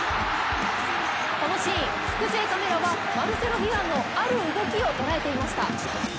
このシーン、キクＪＣＡＭはマルセロ・ヒアンのある動きを捉えていました。